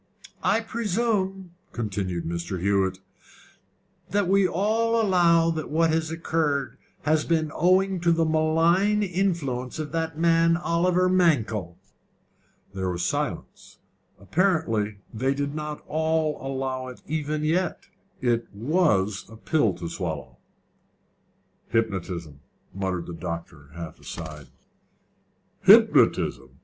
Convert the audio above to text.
"I presume," continued Mr. Hewett, "that we all allow that what has occurred has been owing to the malign influence of the man Oliver Mankell?" There was silence. Apparently they did not all allow it even yet: it was a pill to swallow. "Hypnotism," muttered the doctor, half aside. "Hypnotism!